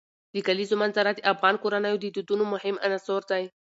د کلیزو منظره د افغان کورنیو د دودونو مهم عنصر دی.